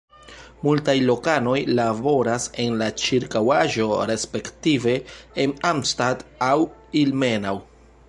Multaj lokanoj laboras en la ĉirkaŭaĵo respektive en Arnstadt aŭ Ilmenau.